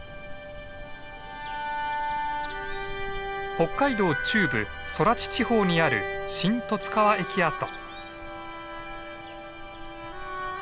北海道中部空知地方にある新十津川駅跡。